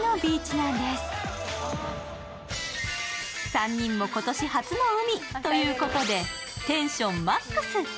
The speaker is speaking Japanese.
３人も今年初の海ということで、テンションマックス。